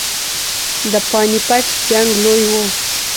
د پاني پټ جنګ لوی وو.